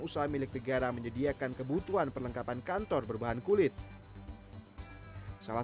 usaha milik negara menyediakan kebutuhan perlengkapan kantor berbahan kulit salah